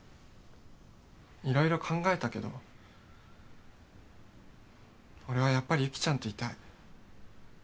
いろいろ考えたけど俺はやっぱり雪ちゃんといたい。